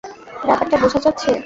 ব্যাপারটা বোঝা যাচ্ছে।